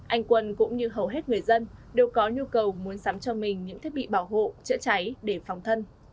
anh quân cũng như hầu hết người dân đều có nhu cầu muốn sắm cho mình những thiết bị bảo hộ chữa cháy để phòng thân